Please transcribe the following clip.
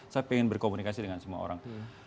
saya ingin berkomunikasi dengan semua orang